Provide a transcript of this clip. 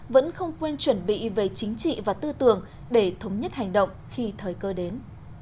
vẫn không quên chuẩn bị về chính trị và tư tưởng để thống nhất hành động khi thời cơ đến